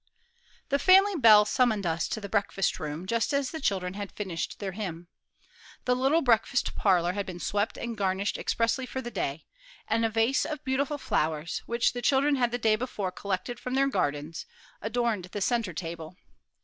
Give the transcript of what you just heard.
The family bell summoned us to the breakfast room just as the children had finished their hymn. The little breakfast parlor had been swept and garnished expressly for the day, and a vase of beautiful flowers, which the children had the day before collected from their gardens, adorned the centre table.